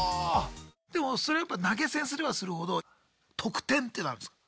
でもそれやっぱ投げ銭すればするほど特典っていうのあるんですか？